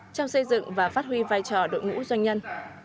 trong xây dựng và phát huy vai trò đội ngũ doanh nhân